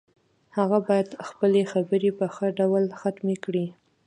هغه باید خپلې خبرې په ښه ډول ختمې کړي